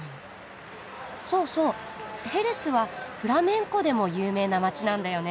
そうそうヘレスはフラメンコでも有名な街なんだよね。